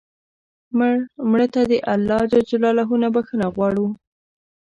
مړه ته الله ج نه بخښنه غواړو